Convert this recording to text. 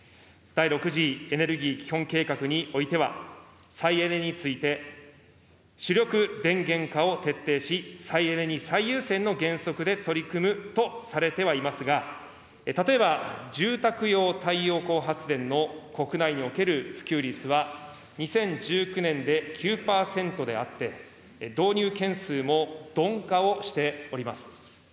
第６次エネルギー基本計画においては、再エネについて、主力電源化を徹底し、再エネに最優先の原則で取り組むとされてはいますが、例えば、住宅用太陽光発電の国内における普及率は２０１９年で９％であって、導入件数も鈍化をしております。